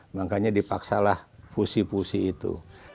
makanya dipaksalah fusi fusi itu